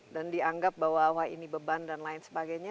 dianggap bahwa ini beban dan lain sebagainya